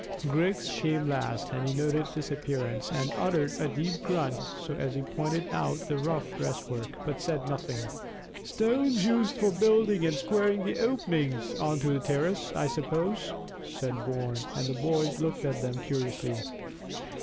Griggs came last, and he noted this appearance, and uttered a deep grunt as he pointed out the rough breastwork, but said nothing. "Stones used for building and squaring the openings on to the terrace, I suppose," said Bourne, and the boys looked at them curiously.